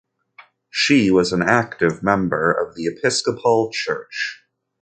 She was an active member of the Episcopal church.